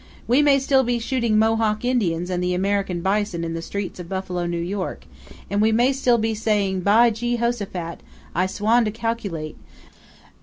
We may still be shooting Mohawk Indians and the American bison in the streets of Buffalo, New York; and we may still be saying: 'By Geehosaphat, I swan to calculate!